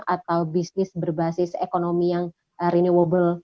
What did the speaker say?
atau bisnis berbasis ekonomi yang renewable